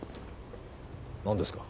何ですか？